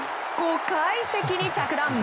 ５階席に着弾！